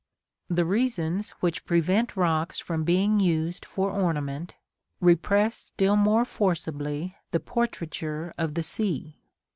The reasons which prevent rocks from being used for ornament repress still more forcibly the portraiture of the sea.